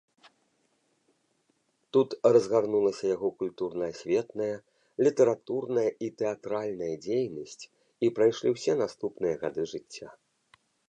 Тут разгарнулася яго культурна-асветная, літаратурная і тэатральная дзейнасць і прайшлі ўсе наступныя гады жыцця.